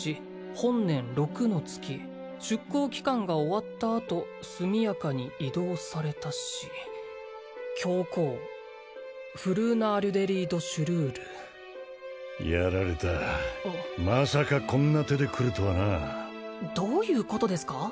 「本年六の月出向期間が終わったあと」「速やかに異動されたし」「教皇フルーナ・アリュデリー・ド・シュルール」やられたまさかこんな手でくるとはなどういうことですか？